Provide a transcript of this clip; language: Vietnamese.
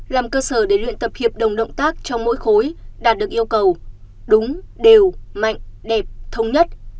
làm cơ sở để luyện tập hiệp đồng động tác trong mỗi khối đạt được yêu cầu đúng đều mạnh đẹp thống nhất